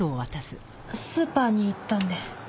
スーパーに行ったんで。